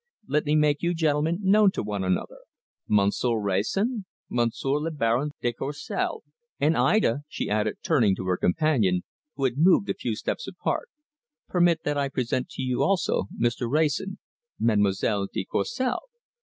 Let me make you gentlemen known to one another, Monsieur Wrayson, Monsieur le Baron de Courcelles. And Ida," she added, turning to her companion, who had moved a few steps apart, "permit that I present to you, also, Mr. Wrayson Mademoiselle de Courcelles."